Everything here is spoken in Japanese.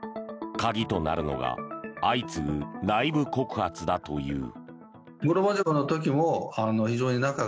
鍵となるのが相次ぐ内部告発だという。